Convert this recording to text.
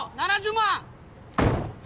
７０万